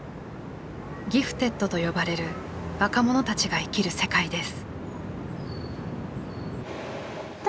「ギフテッド」と呼ばれる若者たちが生きる世界です。